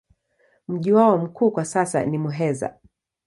Mji wao mkuu kwa sasa ni Muheza.